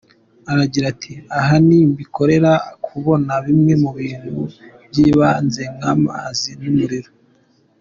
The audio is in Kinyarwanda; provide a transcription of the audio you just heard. Aragira ati: “Ahanini mbikorera kubona bimwe mu bintu by’ibanze nk’amazi n’umuriro.